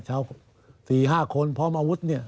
ชาวสี่ห้าคนพร้อมอาวุธเนี่ย